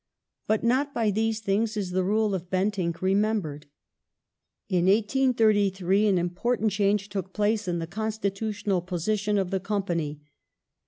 But not by these things is the rule of Bentinck remembered. In 1833 an important change took place in the constitutional position of the Company.